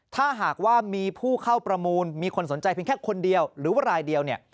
ถ้าหากว่ามีผู้เข้าประมูลมีคนสนใจเพียงแค่คนเดียวหรือว่ารายเดียวเนี่ย